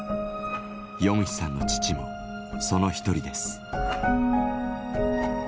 ヨンヒさんの父もその一人です。